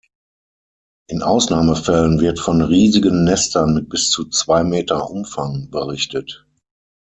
In Ausnahmefällen wird von riesigen Nestern mit bis zu zwei Meter Umfang berichtet.